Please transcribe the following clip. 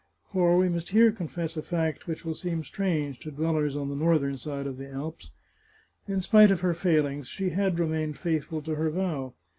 For we must here confess a fact which will seem strange to dwellers on the northern side of the Alps. In spite of her failings, she had remained faithful to her vow.